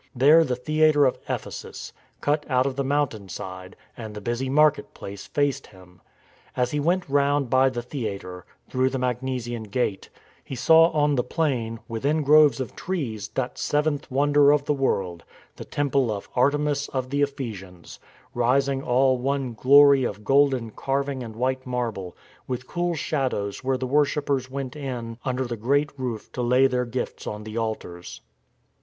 There the theatre of Ephesus, cut out of the mountain side, and the busy market place faced him. As he went round by the theatre, through the Mag nesian gate, he saw on the plain within groves of trees that seventh wonder of the world, the Temple of Artemis of the Ephesians,^ rising all one glory of golden carving and white marble, with cool shadows where the worshippers went in under the great roof to lay their gifts on the altars.